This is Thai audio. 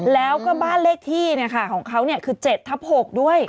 แล้วก็บ้านเลขที่ของเขาคือ๗ทับ๖ด้วย